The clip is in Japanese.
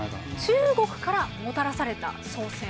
中国からもたらされた宋銭。